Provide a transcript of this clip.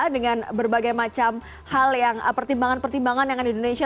dengan berbagai macam hal yang pertimbangan pertimbangan dengan indonesia